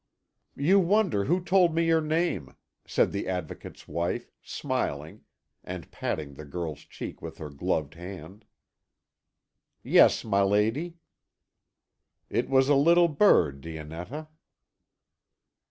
"You wonder who told me your name," said the Advocate's wife, smiling, and patting the girl's cheek with her gloved hand. "Yes, my lady." "It was a little bird, Dionetta."